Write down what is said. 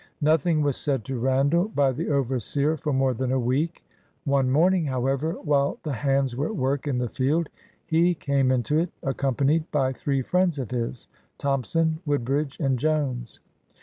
Nothing was said to Randall by the overseer for more than a week. One morning, however, while the hands were at work in the field, he came into it, accompanied by three friends of his, — Thompson, TVoodbridge, and Jones.